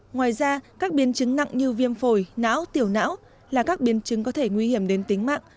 ngoài ra các biến chứng nặng như viêm phổi não tiểu não là các biến chứng có thể nguy hiểm đến tính mạng